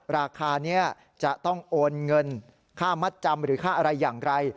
ราคานี้จะต้องโอนเงินค่ามัดจำหรือค่าอะไรอย่างไร